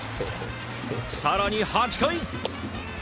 更に、８回。